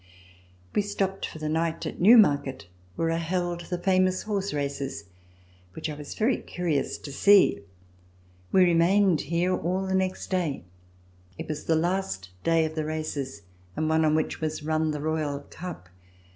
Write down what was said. We stopped for the night at Newmarket where are held the famous horse races, which I was very curious to see. We remained here ail the next day. It was the last day of the races and the one on which was run the Royal Cup.